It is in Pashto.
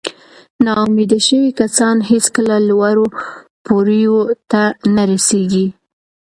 ناامیده شوي کسان هیڅکله لوړو پوړیو ته نه رسېږي.